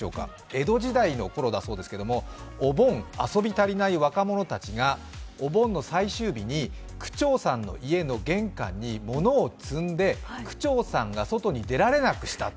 江戸時代のころだそうですけれども、お盆、遊び足りない若者たちがお盆の最終日に区長さんの家の玄関に物を積んで、区長さんが外に出られなくした。